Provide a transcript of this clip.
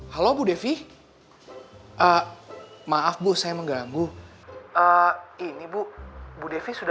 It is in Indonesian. harusnya saya kuat kuat professor